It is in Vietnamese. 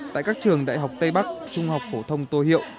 tại các trường đại học tây bắc trung học phổ thông tô hiệu